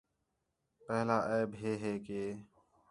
پہلا عیب ہِے ہِے کہ